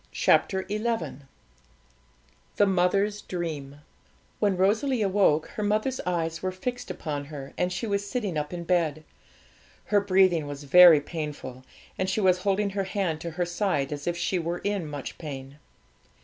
CHAPTER XI THE MOTHER'S DREAM When Rosalie awoke, her mother's eyes were fixed upon her, and she was sitting up in bed. Her breathing was very painful, and she was holding her hand to her side, as if she were in much pain.